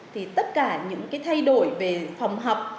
thì tất cả những thay đổi về phòng học